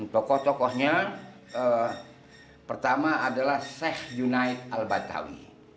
tokoh tokohnya pertama adalah sheikh junaid al batawi